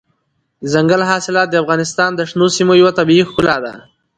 دځنګل حاصلات د افغانستان د شنو سیمو یوه طبیعي ښکلا ده.